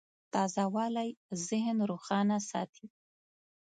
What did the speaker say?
تازهوالی ذهن روښانه ساتي.